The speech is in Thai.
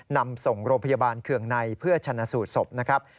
นำส่งโรงพยาบาลเคืองในเพื่อชนะสูตรศพนะครับ